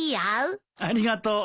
ありがとう！